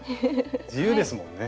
自由ですもんね。